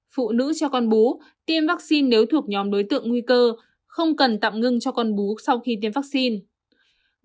phụ nữ cho con bú tiêm vaccine nếu thuộc nhóm đối tượng nguy cơ không cần tạm ngưng cho con bú sau khi tiêm vaccine